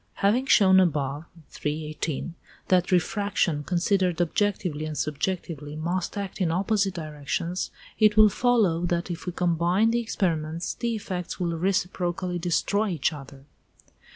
Having shown above (318) that refraction, considered objectively and subjectively, must act in opposite directions, it will follow that if we combine the experiments, the effects will reciprocally destroy each other.